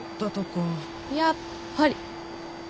やっぱり。